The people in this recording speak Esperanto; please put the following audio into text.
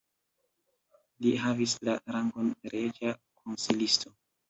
Li havis la rangon reĝa konsilisto.